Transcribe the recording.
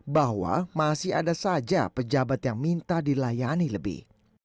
bahwa masih ada saja pejabat yang minta dilayani lebih